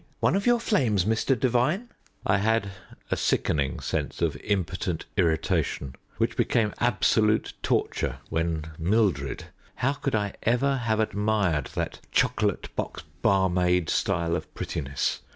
One of your flames, Mr. Devigne?" I had a sickening sense of impotent irritation, which became absolute torture when Mildred how could I ever have admired that chocolate box barmaid style of prettiness?